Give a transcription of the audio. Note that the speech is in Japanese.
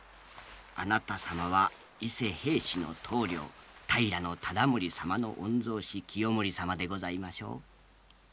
あなた様は伊勢平氏の棟梁平忠盛様の御曹司清盛様でございましょう。